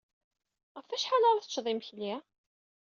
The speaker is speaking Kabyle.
Ɣef wacḥal ara teččemt imekli?